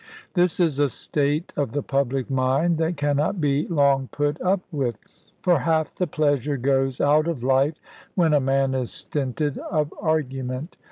This is a state of the public mind that cannot be long put up with; for half the pleasure goes out of life when a man is stinted of argument.